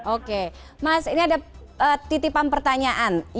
oke mas ini ada titipan pertanyaan